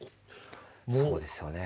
そうですよね。